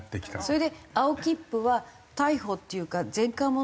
それで青切符は逮捕っていうか前科者にはしないけれど。